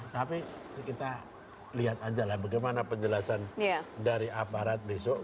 tapi kita lihat saja bagaimana penjelasan dari aparat besok